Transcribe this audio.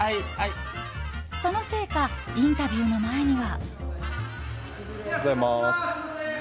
そのせいかインタビューの前には。